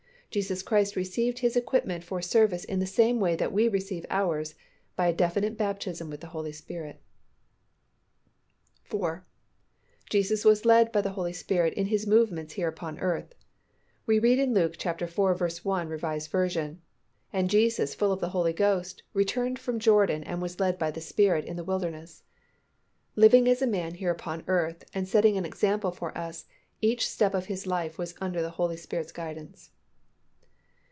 Jesus Christ received His equipment for service in the same way that we receive ours by a definite baptism with the Holy Spirit. 4. Jesus Christ was led by the Holy Spirit in His movements here upon earth. We read in Luke iv. 1, R. V., "And Jesus full of the Holy Ghost returned from Jordan and was led by the Spirit in the wilderness." Living as a man here upon earth and setting an example for us, each step of His life was under the Holy Spirit's guidance.